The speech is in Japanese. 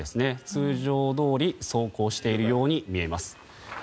通常どおり走行しているように見えます。